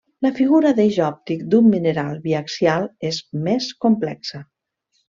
La figura d'eix òptic d'un mineral biaxial és més complexa.